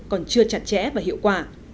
còn chưa chặt chẽ và hiệu quả